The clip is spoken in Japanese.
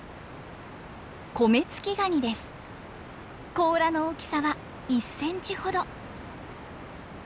甲羅の大きさは１センチほど。